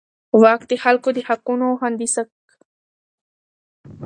واک د خلکو د حقونو د خوندي کولو وسیله ده.